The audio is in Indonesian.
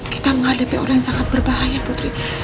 kita menghadapi orang yang sangat berbahaya putri